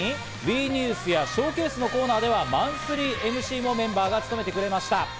さらにＷＥニュースやＳＨＯＷＣＡＳＥのコーナーではマンスリーＭＣもメンバーが務めてくれました。